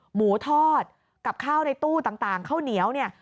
หมูทอดกับข้าวในตู้ต่างข้าวเหนียวเนี่ย